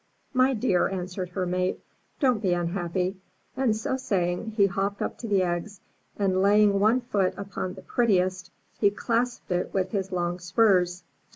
*' My dear, answered her mace, ''don't be unhappy.'' And so saying, he hopped ut> to the eggs, and laying one foot upon the prettiest, he clasped it with his long spurs.